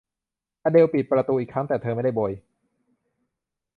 อเดลปิดประตูอีกครั้ง แต่เธอไม่ได้โบย